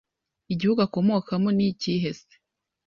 igihugu akomokamo nikihe se